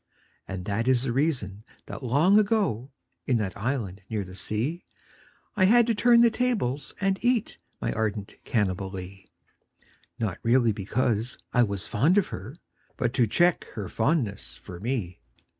And that is the reason that long ago. In that island near the sea, I had to turn the tables and eat My ardent Cannibalee — Not really because I was fond of her, But to check her fondness for me.